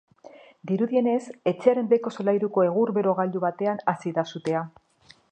Dirudienez, etxearen beheko solairuko egur-berogailu batean hasi da sutea.